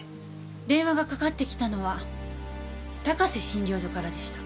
電話がかかってきたのは高瀬診療所からでした。